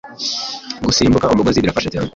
Gusimbuka umugozi birafasha cyane